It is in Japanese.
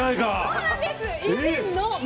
そうなんです。